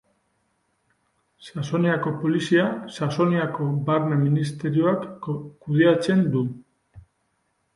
Saxoniako Polizia, Saxoniako Barne Ministerioak kudeatzen du.